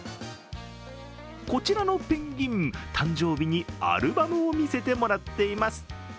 こちらのペンギン、誕生日にアルバムを見せてもらっています。